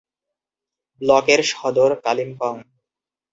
ব্লকের সদর কালিম্পং।